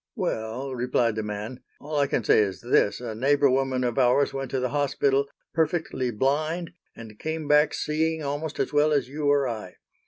"Well," replied the man, "all I can say is this, a neighbor woman of ours went to that hospital perfectly blind and came back seeing almost as well as you or I.